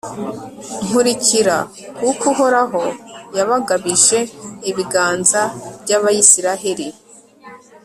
nkurikira, kuko uhoraho yabagabije ibiganza by'abayisraheli